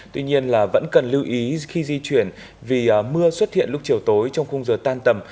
tuy nhiên là vẫn cần lưu ý khi di chuyển vì mưa xuất hiện lúc chiều tối trong khung giờ tan tầm